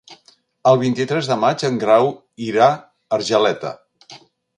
El vint-i-tres de maig en Grau irà a Argeleta.